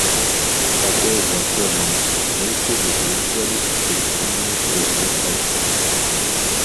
Такой жа формы маслабойку выдзёўбвалі з суцэльнай круглай калодкі.